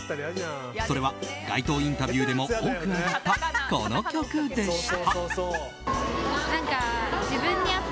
それは街頭インタビューでも多く挙がったこの曲でした。